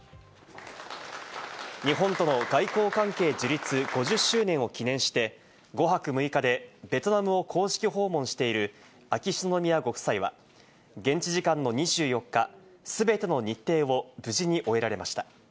日本との外交関係、樹立５０周年を記念して、５泊６日でベトナムを公式訪問している秋篠宮ご夫妻は現地時間の２４日、全ての日程を無事に終えられました。